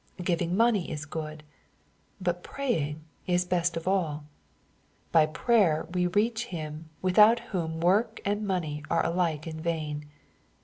Giving money is good. But praying is best of all. By prayer we reach Him without whom work and money are alike in vain.